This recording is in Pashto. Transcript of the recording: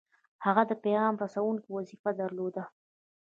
هغه د پیغام رسوونکي وظیفه درلوده.